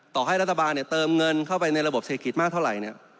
ต่อให้รัฐบาลเติมเงินเข้าไปในระบบเศรษฐกิจมากเท่าไหร่เนี่ย